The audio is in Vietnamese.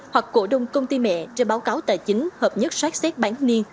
hoặc cổ đông công ty mẹ trên báo cáo tài chính hợp nhất sát xế bán niên